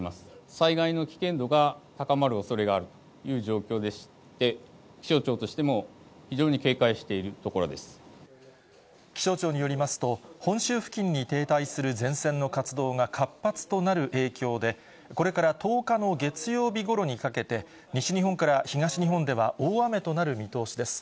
災害の危険度が高まるおそれがあるという状況でして、気象庁としても、非常に警戒しているところ気象庁によりますと、本州付近に停滞する前線の活動が活発となる影響で、これから１０日の月曜日ごろにかけて、西日本から東日本では大雨となる見通しです。